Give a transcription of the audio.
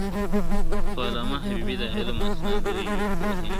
خو علامه حبیبي د علم، اسنادو، ژبپوهنې